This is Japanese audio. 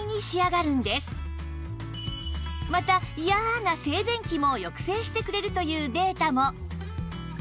また嫌な静電気も抑制してくれるというデータも